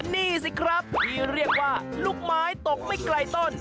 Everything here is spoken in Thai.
นี่สิครับที่เรียกว่าลูกไม้ตกไม่ไกลต้น